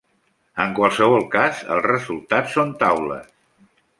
En qualsevol cas, el resultat són taules.